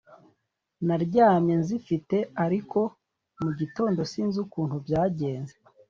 naryamye nzifite ariko mu gitondo sinzi ukuntu byagenze